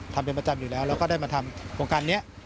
ทำเป็นประจำอยู่แล้วแล้วก็ได้มาทำโครงการนี้